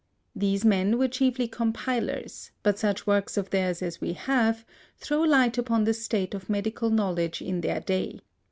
These men were chiefly compilers, but such works of theirs as we have throw light upon the state of medical knowledge in their day.